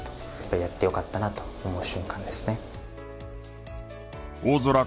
やってよかったなと思う瞬間ですね。